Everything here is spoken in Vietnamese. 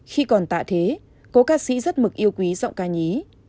khi còn tạ thế cố ca sĩ rất mực yêu quý giọng ca nhí